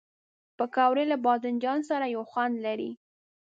پکورې له بادنجان سره یو خوند لري